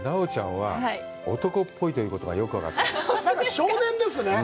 少年ですね。